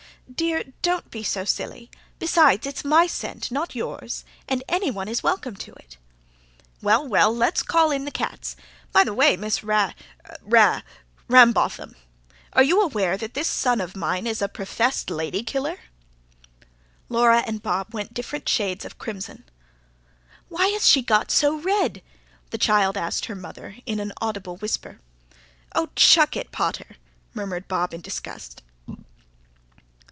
"Dear, DON'T be so silly. Besides it's my scent, not yours. And anyone is welcome to it." "Well, well, let's call in the cats! By the way, Miss Ra ... Ra ... Rambotham, are you aware that this son of mine is a professed lady killer?" Laura and Bob went different shades of crimson. "Why has she got so red?" the child asked her mother, in an audible whisper. "Oh, CHUCK it, pater!" murmured Bob in disgust.